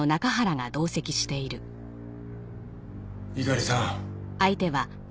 猪狩さん。